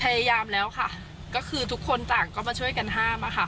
พยายามแล้วค่ะก็คือทุกคนต่างก็มาช่วยกันห้ามอะค่ะ